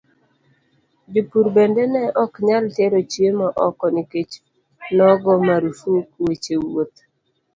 Jopur bende ne ok nyal tero chiemo oko nikech nogo marufuk weche wuoth.